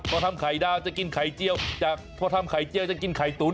พอทำไข่ดาวจะกินไข่เจียวจากพอทำไข่เจียวจะกินไข่ตุ๋น